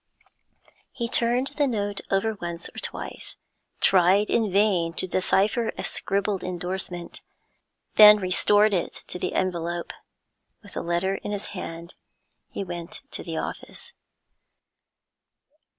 He turned the note over once or twice, tried in vain to decipher a scribbled endorsement, then restored it to the envelope. With the letter in his hand, he went to the office.